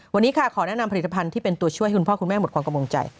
วันนี้ค่ะขอแนะนำผลิตภัณฑ์ที่เป็นตัวช่วยให้คุณพ่อคุณแม่หมดความกังวลใจ